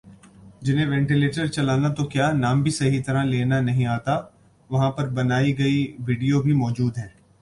جنہیں وینٹیلیٹر چلانا تو کیا نام بھی صحیح طرح لینا نہیں آتا وہاں پر بنائی گئی ویڈیو بھی موجود ہیں